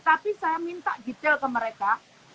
tapi saya minta detail ke mereka